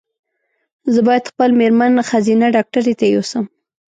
زه باید خپل مېرمن ښځېنه ډاکټري ته یو سم